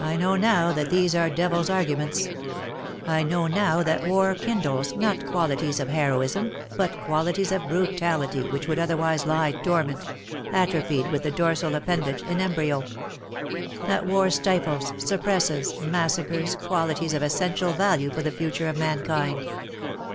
1 know now that these are devil's arguments. I know now that war kindles, not qualities of heroism, but qualities of h^utality which would otherwise lie dormant — atrophied with the dorsal append age, in embryo ; that war stifles, suppresses, massacres, qualities of essential value for the future of mankind.